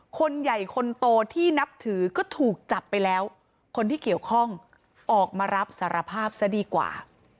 คนใหญ่คนโตที่นับถือก็ถูกจับไปแล้วคนที่เกี่ยวข้องออกมารับสารภาพซะดีกว่า